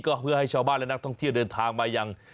ก็เพื่อให้ชาวบ้านและนักท่องเที่ยวเดินทางมาอย่าง